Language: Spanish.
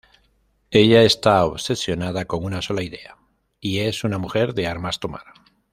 Ella está obsesionada con una sola idea, y es una mujer de armas tomar.